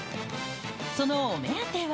そのお目当ては。